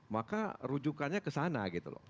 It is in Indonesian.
maka rujukannya ke sana gitu loh